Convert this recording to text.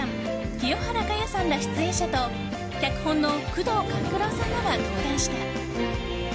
清原果耶さんら出演者と脚本の宮藤官九郎さんらが登壇した。